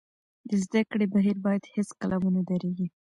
د زده کړې بهیر باید هېڅکله ونه درېږي.